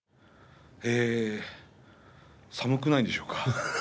寒くないでしょうか？